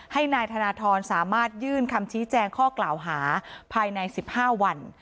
ให้นายธนทรสามารถยื่นคำชี้แจงข้อกล่าวหาภายใน๑๕วัน